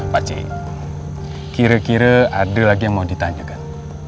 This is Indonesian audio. pakcik kira kira ada lagi yang mau ditanyakan